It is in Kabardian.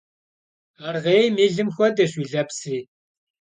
Arğuêym yi lım xuedeş yi lepsri.